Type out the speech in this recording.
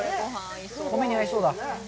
米に合いそうだ。